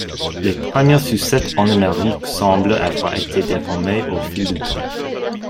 Les premières sucettes en Amérique semblent avoir été déformées au fil du temps.